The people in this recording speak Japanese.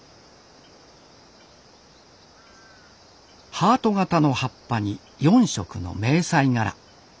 ハート型の葉っぱに４色の迷彩柄。